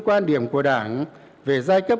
quan điểm của đảng về giai cấp